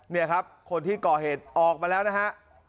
นี่ครับคนที่ก่อเหตุออกมาแล้วนะฮะ